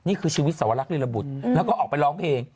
นี่คือชีวิตสวรรคลินบุตรแล้วก็ออกไปร้องเพลง